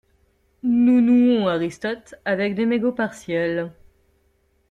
Nous nouons Aristote avec des mégots partiels.